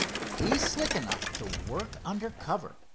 He's slick enough to work under cover.